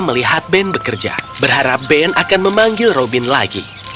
melihat ben bekerja berharap ben akan memanggil robin lagi